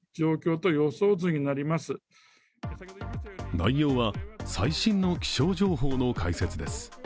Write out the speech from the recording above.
内容は、最新の気象情報の解説です。